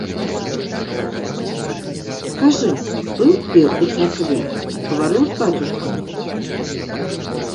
Скажы, быў ты ў царкве, гаварыў з бацюшкам?